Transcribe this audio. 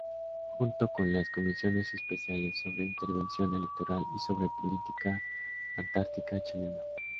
Junto con las comisiones especiales sobre Intervención Electoral; y sobre Política Antártica Chilena.